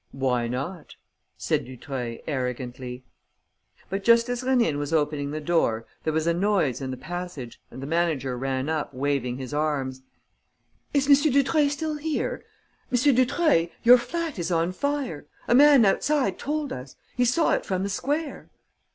"Why not?" said Dutreuil, arrogantly. But, just as Rénine was opening the door, there was a noise in the passage and the manager ran up, waving his arms: "Is M. Dutreuil still here?... M. Dutreuil, your flat is on fire!... A man outside told us. He saw it from the square."